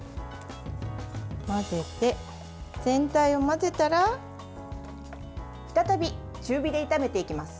混ぜて、全体を混ぜたら再び中火で炒めていきます。